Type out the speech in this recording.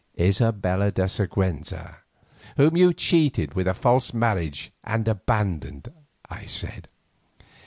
"Isabella de Siguenza, whom you cheated with a false marriage and abandoned," I said.